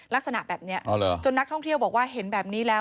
ลักษณะแบบนี้จนนักท่องเที่ยวบอกว่าเห็นแบบนี้แล้ว